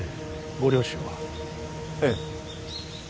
ご両親はええ